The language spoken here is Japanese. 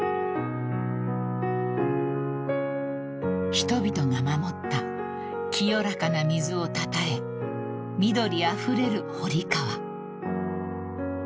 ［人々が守った清らかな水をたたえ緑あふれる堀川］